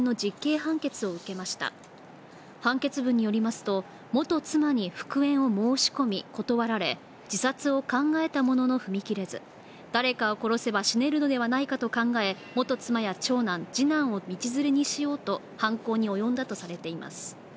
判決文によりますと、元妻に復縁を申し込み断られ、自殺を考えたものの踏み切れず、誰かを殺せば死ねるのではないかと考え元妻や長男、次男を道連れにしようと犯行に及んだとされています。